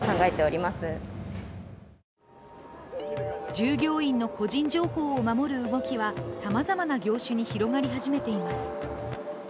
従業員の個人情報を守る動きはさまざまな業種に広がり始めています。